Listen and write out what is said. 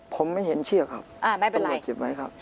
ผมไม่เห็นเชือกครับอ่าไม่เป็นไรอ่าไม่เป็นไรครับ